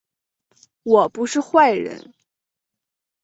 我不是坏人